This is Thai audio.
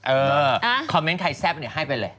เออคอมเมนต์ใครแซ่บเนี่ยให้ไปเลย